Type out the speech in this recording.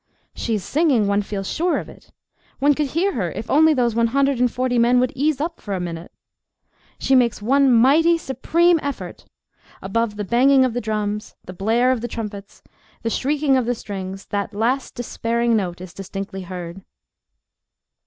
She is singing, one feels sure of it; one could hear her if only those one hundred and forty men would ease up for a minute. She makes one mighty, supreme effort; above the banging of the drums, the blare of the trumpets, the shrieking of the strings, that last despairing note is distinctly heard.